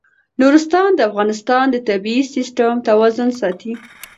نورستان د افغانستان د طبعي سیسټم توازن ساتي.